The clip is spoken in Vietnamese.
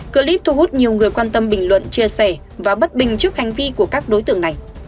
clip thu hút nhiều người quan tâm bình luận chia sẻ và bất bình trước hành vi của các đối tượng này